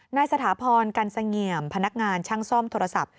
สถาพรกันเสงี่ยมพนักงานช่างซ่อมโทรศัพท์